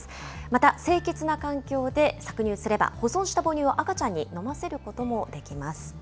また清潔な環境で搾乳すれば、保存した母乳を赤ちゃんに飲ませることもできます。